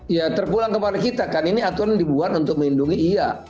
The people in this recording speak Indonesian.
ya terpulang kepada kita kan ini aturan dibuat untuk melindungi iya